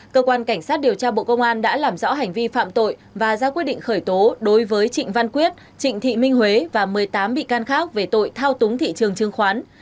cơ quan cảnh sát điều tra bộ công an đã làm rõ hành vi phạm tội và ra quyết định khởi tố đối với trịnh văn quyết trịnh thị minh huế và một mươi tám bị can khác về tội thao túng thị trường chứng khoán